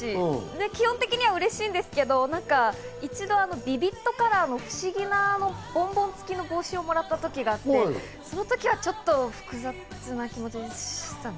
基本的には嬉しいんですけど、一度ビビッドカラーの不思議なボンボンつきの帽子をもらった時があって、その時はちょっと複雑な気持ちでしたね。